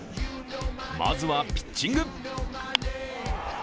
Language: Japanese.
まずはピッチング。